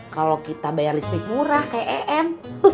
kalau kita bayar listrik murah kayak em